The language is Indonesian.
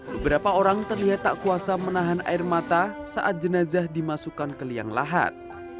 beberapa orang terlihat tak kuasa menahan air mata saat jenazah dimasukkan ke liang lahat